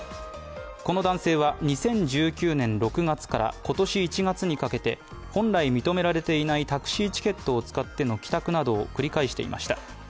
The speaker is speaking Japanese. この男性は２０１９年６月から今年１月にかけて本来認められていないタクシーチケットを使っての帰宅などを繰り返していました。